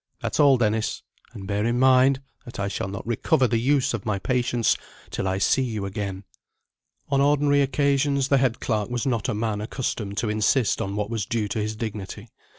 That's all, Dennis. And bear in mind that I shall not recover the use of my patience till I see you again." On ordinary occasions, the head clerk was not a man accustomed to insist on what was due to his dignity.